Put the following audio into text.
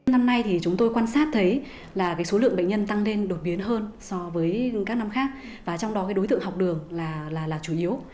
năm nay thì chúng tôi quan sát thấy là số lượng bệnh nhân tăng lên đột biến hơn so với các năm khác và trong đó đối tượng học đường là chủ yếu